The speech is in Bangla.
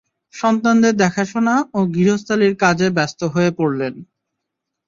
সন্তানদের দেখাশোনা ও গৃহস্থালির কাজে ব্যস্ত হয়ে পড়লেন।